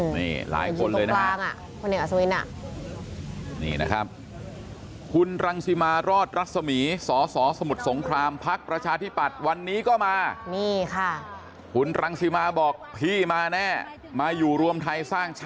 อืมบางอย่างตรงกลางผลตมตเอกอสวิน